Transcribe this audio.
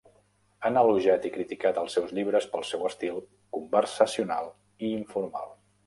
Han elogiat i criticat els seus llibres pel seu estil conversacional i informal.